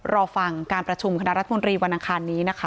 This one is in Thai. รอฟังการประชุมคณะรัฐมนตรีวันอังคารนี้นะคะ